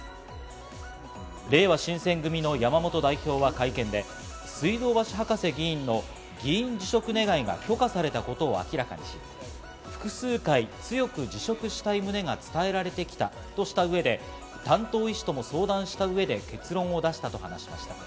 れいわ新選組の山本代表は会見で、水道橋博士議員の議員辞職願が許可されたことを明らかにし、複数回、強く辞職したい旨が伝えられてきたとしたうえで、担当医師とも相談した上で結論を出したと話しました。